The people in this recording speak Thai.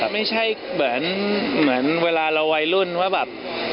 ไม่ใช่เหมือนเวลาเราวัยรุ่นว่าแบบ